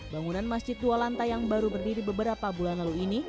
bangunan masjid dua lantai yang baru berdiri beberapa bulan lalu ini